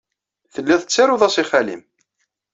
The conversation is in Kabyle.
Telliḍ tettaruḍ-as i xali-m.